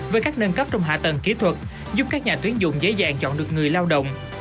với các nâng cấp trong hạ tầng kỹ thuật giúp các nhà tuyến dụng dễ dàng chọn được người lao động